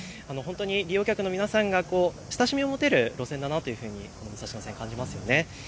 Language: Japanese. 利用客の皆さんが親しみを持てる路線だなと感じますよね。